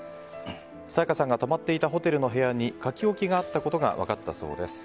沙也加さんが泊まっていたホテルの部屋に書き置きがあったことが分かったそうです。